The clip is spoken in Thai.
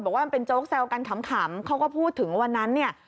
บอกว่ามันเป็นโจ๊กแซวกันขำเขาก็พูดถึงวันนั้นเนี่ย